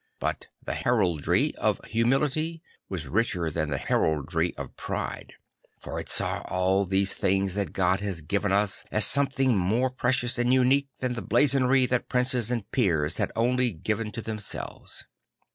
But the heraldry of humility was richer than the heraldry of pride; for i t sawall these things that God had given as something more precious and unique than the blazonry that princes and peers had only given to themselves.